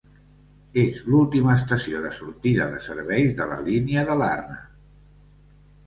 És l'última estació de sortida de serveis de la línia de Larne.